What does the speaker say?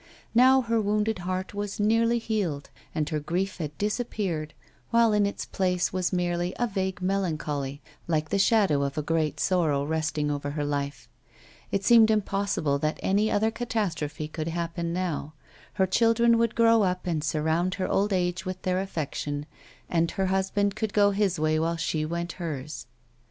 Now her wounded heart was; nearlv licaled A WOMAN'S LIFE. 171 and her grief had disappeared, while, in its place, was merely a vague melancholy, like the shadow of a great sorrow resting over her life. It seemed impossible that any other catastrophe could happen now ; her children would grow up and surround her old age with their affection, and her husband could go his way while she Avent hers.